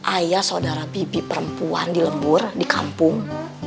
ayah saudara bibi perempuan di lembur di kampung